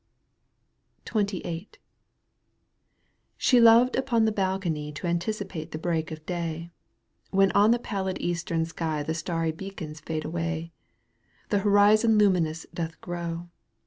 XXVIII. She loved upon the balcony To anticipate the break of day, When on the pallid eastern sky The starry beacons fade away, ^ The horizon luminous doth grow.